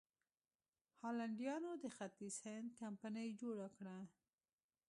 هالنډیانو د ختیځ هند کمپنۍ جوړه کړه.